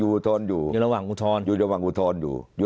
อยู่ระหว่างอุทธรณ์อยู่